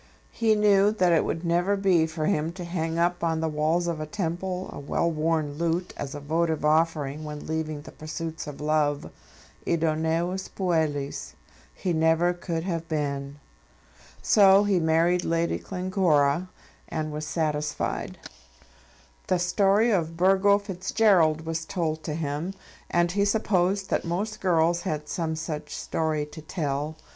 He knew that it would never be for him to hang up on the walls of a temple a well worn lute as a votive offering when leaving the pursuits of love. Idoneus puellis he never could have been. So he married Lady Glencora and was satisfied. The story of Burgo Fitzgerald was told to him, and he supposed that most girls had some such story to tell.